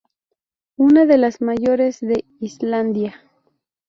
Una de las mayores de Islandia.